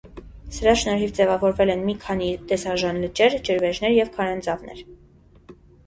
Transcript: Սրա շնորհիվ ձևավորվել են մի քանի տեսարժան լճեր, ջրվեժներ և քարանձավներ։